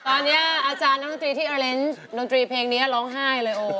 ตอนนี้อาจารย์หน้าหนังตรีที่เออเรนด์หนังตรีเพลงนี้ร้องไห้เลยโอม